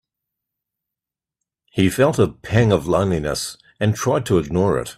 He felt a pang of loneliness and tried to ignore it.